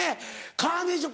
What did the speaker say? カーネーション